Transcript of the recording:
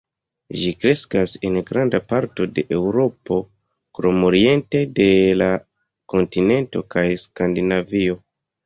Ĝi kreskas en granda parto de Eŭropo krom oriente de la kontinento kaj Skandinavio.